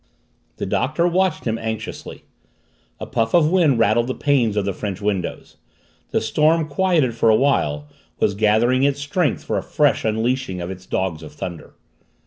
The Doctor watched him anxiously. A puff of wind rattled the panes of the French windows. The storm, quieted for a while, was gathering its strength for a fresh unleashing of its dogs of thunder.